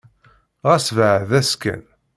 Ɣas beɛɛed-as kan.